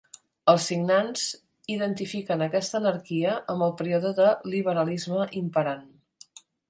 Els signants identifiquen aquesta anarquia amb el període de liberalisme imperant.